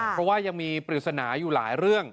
เพราะว่ายังมีปริศนาอยู่หลายเรื่อง